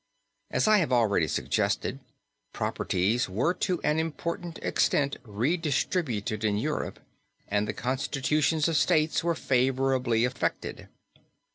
As I have already suggested, properties were to an important extent redistributed in Europe, and the constitutions of states were favorably affected.